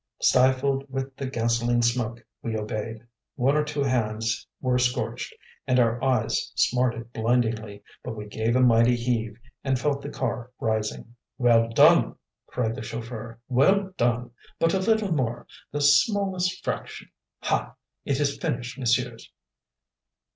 Stifled with the gasoline smoke, we obeyed. One or two hands were scorched and our eyes smarted blindingly, but we gave a mighty heave, and felt the car rising. "Well done!" cried the chauffeur. "Well done! But a little more! The smallest fraction HA! It is finished, messieurs!"